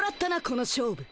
この勝負。